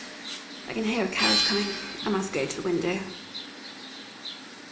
I can hear a carriage coming, I must go to the window.